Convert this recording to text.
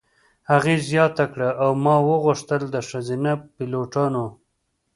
هغې زیاته کړه: "او ما غوښتل د ښځینه پیلوټانو.